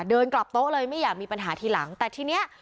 เดินกลับโต๊ะเลยไม่อยากมีปัญหาทีหลังแต่ทีเนี้ย